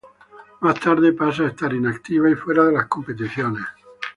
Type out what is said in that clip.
Más tarde, pasa a estar inactiva y fuera de las competiciones.